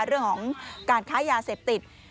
เรื่องของการค้ายาเสพติด